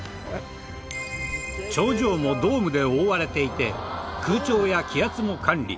頂上もドームで覆われていて空調や気圧も管理。